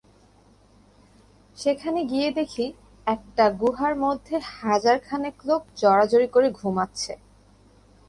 সেখানে গিয়ে দেখি, একটা গুহার মধ্যে হাজার খানেক লোক জড়াজড়ি করে ঘুমাচ্ছে।